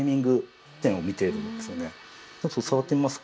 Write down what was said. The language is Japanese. ちょっと触ってみますか？